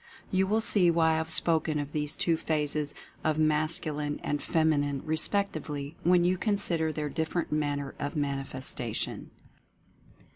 You will see why I have spoken of these two phases as Mascu line and Feminine respectively when you consider their different manner of manifestation.